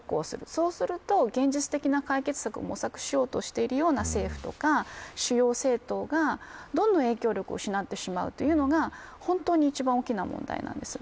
そうすると現実的な解決策を模索しようとしている政府とか主要政党がどんどん影響力を失ってしまうというのが本当に一番大きな問題です。